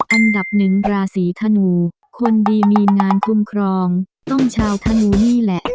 อันดับหนึ่งราศีธนูคนดีมีงานคุ้มครองต้องชาวธนูนี่แหละ